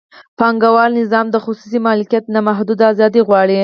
پانګوال نظام د خصوصي مالکیت نامحدوده ازادي غواړي.